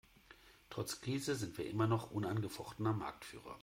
Trotz Krise sind wir immer noch unangefochtener Marktführer.